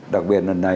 đặc biệt lần này